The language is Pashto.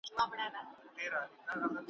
اوس گيله وكړي له غلو كه له قسمته ,